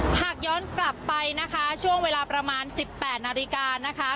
หากย้อนกลับไปนะคะช่วงเวลาประมาณ๑๘นาฬิกานะคะ